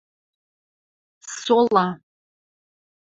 СОЛА